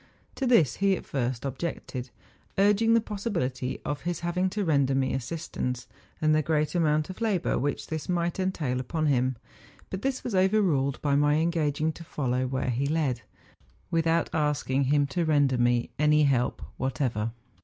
To this he at first objected, urging the possibility of his having to render me assist¬ ance, and the great amount of labour wliich this might entail upon him ; but this was overruled by my engaging to follow where he led, without asking him to render me any help whatever.